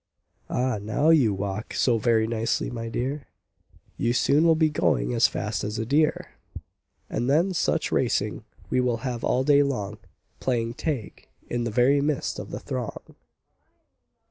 Ah! now you walk so very nicely, my dear, You soon will be going as fast as a deer, And then such racing, we will have all day long, Playing "tag" in the very midst of the throng.